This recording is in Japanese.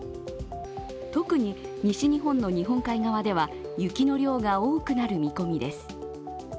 特に西日本の日本海側では雪の量が多くなる見込みです。